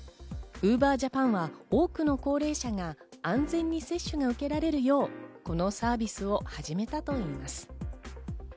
ウーバージャパンは多くの高齢者が安全に接種が受けられるよう、このサービスを始めたといいます。